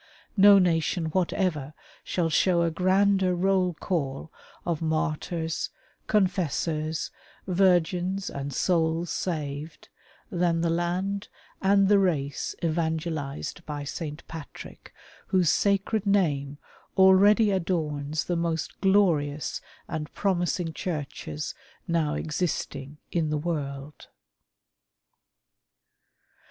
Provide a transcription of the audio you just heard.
No nation whatever shall show a grander roll call of martyrs, confessors, virgins, and sonls saved, than the land and the race evangelized by St. Patrick, whose sacred name already adorns the most glorious and promising churches now existing in the world.